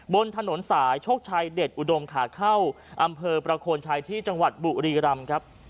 บนถนนสายโชคชัยเด็ดอุดมขาเข้าอำเภอประโคนชัยที่จังหวัดบุรีรำครับ